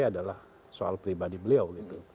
adalah soal pribadi beliau